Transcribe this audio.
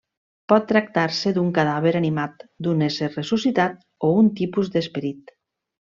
Pot tractar-se d'un cadàver animat, d'un ésser ressuscitat o un tipus d'esperit.